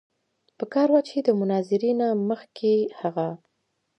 پکار وه چې د مناظرې نه مخکښې هغه